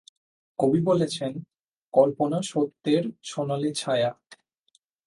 কবি বলেছেন, কল্পনা সত্যের সোনালী ছায়া।